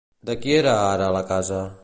De qui era ara la casa?